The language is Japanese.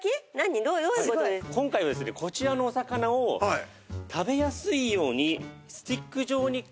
今回はですねこちらのお魚を食べやすいように。